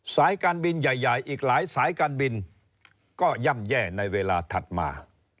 สายการบินใหญ่อีกหลายสายการบินก็ย่ำแย่ในเวลาถัดมา